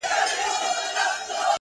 يوه سړي د ملا قبر موندلي شراب’